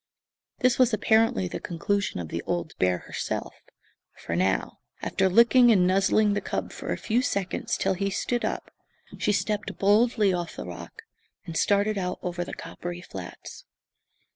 This was apparently the conclusion of the old bear herself; for now, after licking and nuzzling the cub for a few seconds till he stood up, she stepped boldly off the rock and started out over the coppery flats.